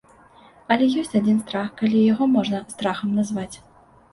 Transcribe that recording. Але ёсць адзін страх, калі яго можна страхам назваць.